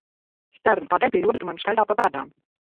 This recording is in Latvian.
Štern, kādēļ, pie joda, tu man staigā pa pēdām?